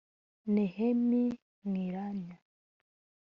Néhémi Mwilanya